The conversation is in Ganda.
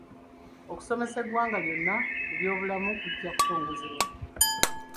Okusomesa eggwanga lyonna ku by'obulamu kujja kutongozebwa